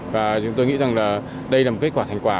và chúng tôi nghĩ rằng đây là kết quả thành quả